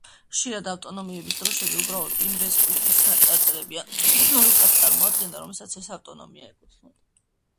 ხშირად ავტონომიების დროშები უბრალოდ იმ რესპუბლიკის წარწერებიან რუკას წარმოადგენდა, რომელსაც ეს ავტონომია ეკუთვნოდა.